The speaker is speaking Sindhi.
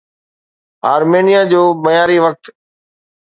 آرمينيا جو معياري وقت